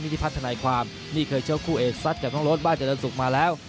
นี่ที่พัฒนาความนี่เคยเชื่อคู่เอดซัดกับรถรถบ้านเจรนสุกมาแล้ว